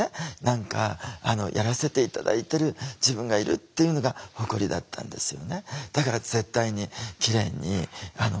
やらせて頂いてる自分がいるっていうのが誇りだったんですよね。